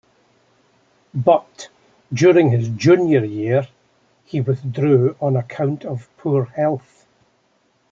But, during his junior year, he withdrew on account of poor health.